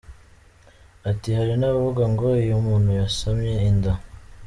Ati hari n’abavuga ngo iyo umuntu yasamye inda